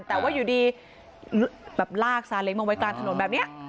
แต่ว่าอยู่ดีแบบลากซาเล้งมาไว้กลางถนนแบบนี้